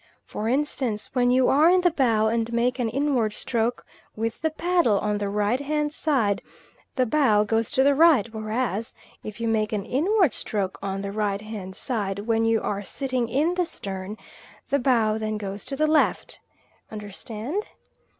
For instance, when you are in the bow, and make an inward stroke with the paddle on the right hand side, the bow goes to the right; whereas, if you make an inward stroke on the right hand side, when you are sitting in the stern, the bow then goes to the left. Understand?